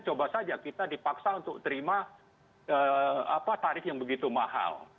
coba saja kita dipaksa untuk terima tarif yang begitu mahal